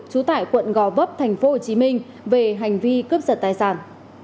trú tải quận gò vấp thành phố hồ chí minh về hành vi cướp giật tài sản